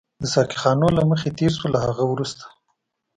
د ساقي خانو له مخې تېر شوو، له هغه وروسته.